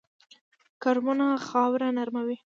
کرمونه خاوره نرموي